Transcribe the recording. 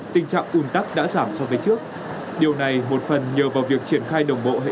tình trạng ùn tắc đã giảm so với trước điều này một phần nhờ vào việc triển khai đồng bộ hệ thống